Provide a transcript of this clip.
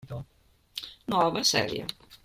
Nuova serie.